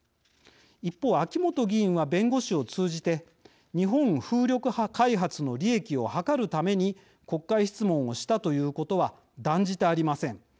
一方秋本議員は弁護士を通じて「日本風力開発の利益を図るために国会質問をしたということは断じてありません。